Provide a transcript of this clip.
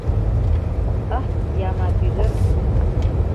Ах, киямат ӱдыр!..